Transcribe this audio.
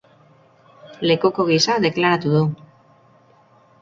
Lekuko gisa deklaratu du.